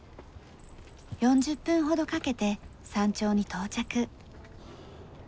４０分ほどかけて山頂に到着。